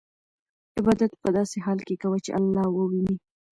عبادت په داسې حال کې کوه چې الله وینې.